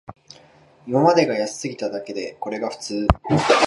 今までが安すぎただけで、これが普通